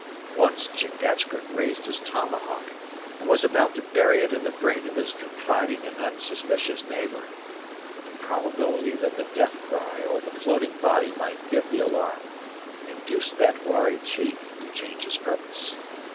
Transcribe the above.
Once Chingachgook raised his tomahawk, and was about to bury it in the brain of his confiding and unsuspicious neighbor; but the probability that the death cry or the floating body might give the alarm induced that wary chief to change his purpose.